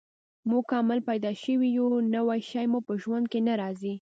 موږ کامل پیدا شوي یو، نوی شی مو په ژوند کې نه راځي.